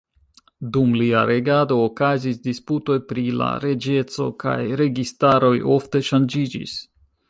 Dum lia regado okazis disputoj pri la reĝeco, kaj registaroj ofte ŝanĝiĝis.